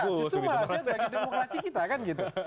justru malah saya bagi demokrasi kita kan gitu